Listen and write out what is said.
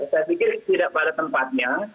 saya pikir tidak pada tempatnya